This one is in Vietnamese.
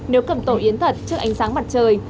nếu cầm tổ yến thật trước ánh sáng mặt trời